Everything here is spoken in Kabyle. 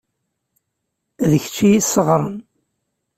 D kečč i y-isseɣren.